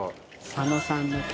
佐野さんの曲。